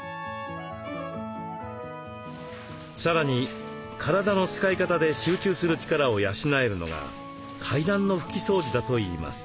さらに体の使い方で集中する力を養えるのが階段の拭き掃除だといいます。